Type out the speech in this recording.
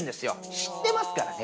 知ってますからね。